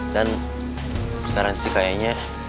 dan sekarang sih kayaknya